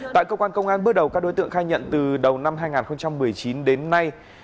tại cơ quan công an bước đầu các đối tượng khai nhận từ đầu năm hai nghìn một mươi chín đến nay